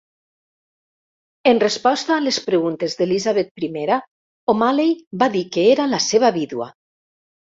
En resposta a les preguntes d'Elisabet I, O'Malley va dir que era la seva vídua.